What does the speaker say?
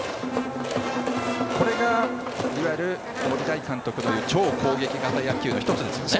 これがいわゆる森大監督の言う超攻撃野球の１つですね。